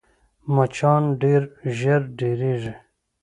مچان ډېر ژر ډېرېږي